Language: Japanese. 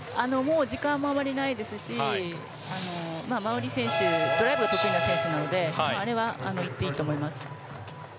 時間もあまりないですし馬瓜選手ドライブ得意な選手なのでいっていいと思います。